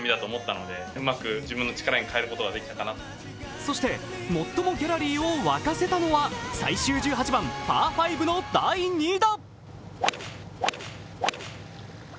そして、最もギャラリーをわかせたのは最終１８番、パー５の第２打。